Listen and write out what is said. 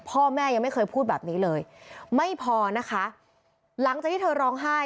พ่อแม่ยังไม่เคยพูดแบบนี้เลยไม่พอนะคะหลังจากที่เธอร้องไห้